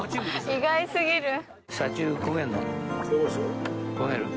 意外すぎる。